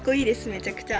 めちゃくちゃ。